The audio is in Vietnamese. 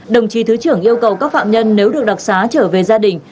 đồng chí thứ trưởng yêu cầu các phạm nhân nếu được đặc xá trở về gia đình